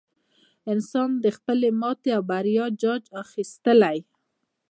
انسان د خپلې ماتې او بریا جاج اخیستلی.